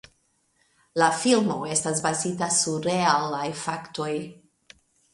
La filmo estas bazita sur realaj faktoj.